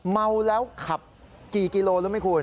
เมาแล้วขับกี่กิโลรู้ไหมคุณ